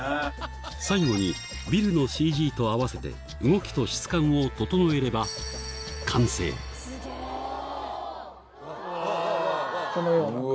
最後にビルのＣＧと合わせて動きと質感を整えればこのような感じに。